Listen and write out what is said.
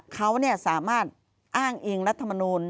เขาสามารถอ้างอิงรัฐมนูล